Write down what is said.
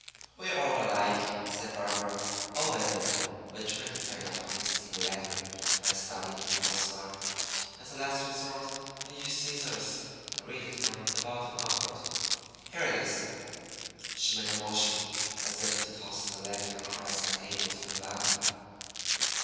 "We're all alike," said Barbara; "all women. We try to find out what is in a letter by studying the postmark. As a last resort we use scissors, and read it from the bottom upward. Here it is." She made a motion as if to toss the letter across the table to Nevada.